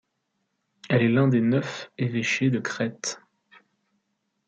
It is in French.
Elle est l'un des neuf évêchés de Crète.